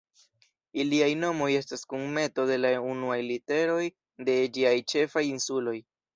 Iliaj nomoj estas kunmeto de la unuaj literoj de ĝiaj ĉefaj insuloj.